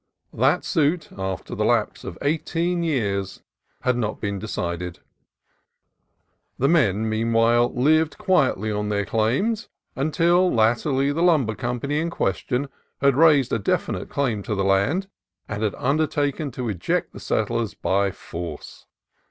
That suit, after the lapse of eighteen years, had not been decided. The men meanwhile lived quietly on their claims, until latterly the lumber company in question had raised a definite claim to the land, and had under taken to eject the settlers by force.